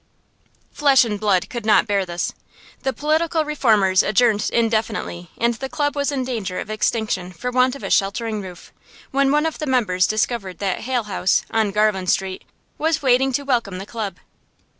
Flesh and blood could not bear this. The political reformers adjourned indefinitely, and the club was in danger of extinction for want of a sheltering roof, when one of the members discovered that Hale House, on Garland Street, was waiting to welcome the club.